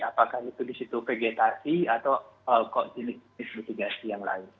apakah itu di situ vegetasi atau kok jenis mitigasi yang lain